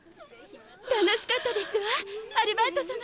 楽しかったですわアルバート様。